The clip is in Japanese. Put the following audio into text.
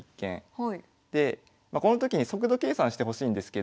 でまあこのときに速度計算してほしいんですけど。